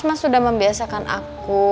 mas udah membiasakan aku